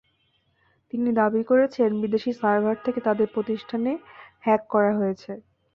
তিনি দাবি করেছেন, বিদেশি সার্ভার থেকে তাঁদের প্রতিষ্ঠানে হ্যাক করা হয়েছে।